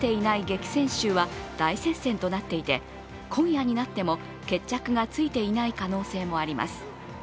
激戦州は大接戦となっていて今夜になっても決着がついていない可能性もあります。